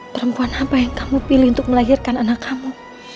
perempuan apa yang kamu pilih untuk melahirkan anak kamu